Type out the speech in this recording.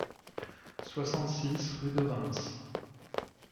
soixante-six rue de Reims